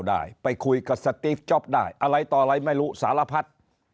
ได้ไปคุยกับสติฟจ๊อปได้อะไรต่ออะไรไม่รู้สารพัด